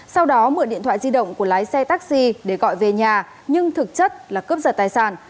sau đó mượn điện thoại di động của lái xe taxi để gọi về nhà nhưng thực chất là cướp giật tài sản